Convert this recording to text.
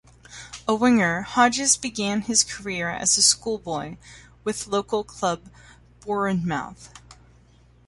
A winger, Hodges began his career as a schoolboy with local club Bournemouth.